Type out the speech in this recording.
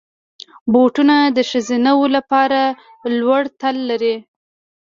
بوټونه د ښځینه وو لپاره لوړ تل لري.